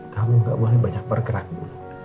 kamu gak boleh banyak bergerak dulu